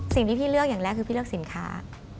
สิ่งที่พี่เลือกอย่างแรกคือพี่เลือกสินค้า